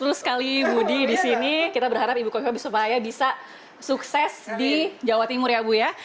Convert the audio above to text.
terima kasih budi disini kita berharap ibu kofi kofi supaya bisa sukses di jawa timur ya bu ya